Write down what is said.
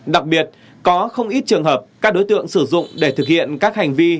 đặc biệt có không ít trường hợp các đối tượng sử dụng để thực hiện các hành vi